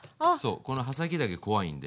この刃先だけ怖いんで。